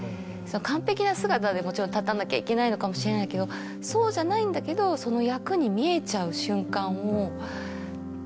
完璧な姿でもちろん立たなきゃいけないのかもしれないけどそうじゃないんだけどその。